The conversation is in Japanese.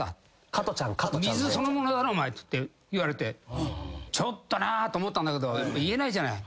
「水そのものだろお前」って言われてちょっとなと思ったんだけど言えないじゃない。